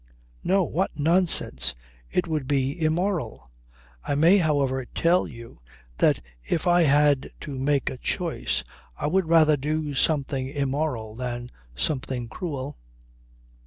"No! What nonsense! It would be immoral. I may however tell you that if I had to make a choice I would rather do something immoral than something cruel.